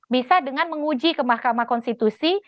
bisa dengan menguji ke mahkamah konstitusi